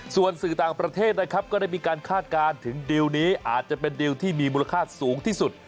ส่วนสื่อต่างประเทศนะครับก็ได้มีการคาดการณ์ถึงดิวนี้อาจจะเป็นดิวที่มีมูลค่าสูงที่สุด